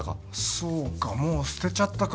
そうかもう捨てちゃったか